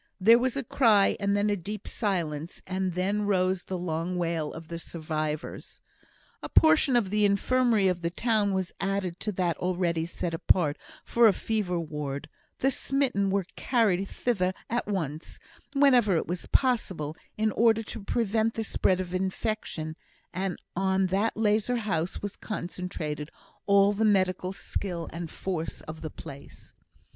There was a cry, and then a deep silence, and then rose the long wail of the survivors. A portion of the Infirmary of the town was added to that already set apart for a fever ward; the smitten were carried thither at once, whenever it was possible, in order to prevent the spread of infection; and on that lazar house was concentrated all the medical skill and force of the place.